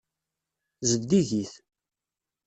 Zeddigit.